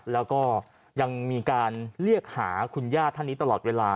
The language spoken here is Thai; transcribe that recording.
แล้วก็ยังมีการเรียกหาคุณญาติท่านนี้ตลอดเวลา